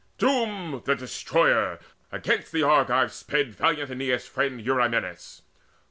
Doom the Destroyer against the Argives sped Valiant Aeneas' friend, Eurymenes.